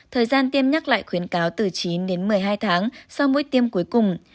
thời gian tiêm nhắc lại khuyến cáo từ chín đến một mươi hai tháng sau mỗi tiêm cuối cùng